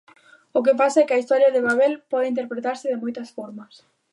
O que pasa é que a historia de Babel pode interpretarse de moitas formas.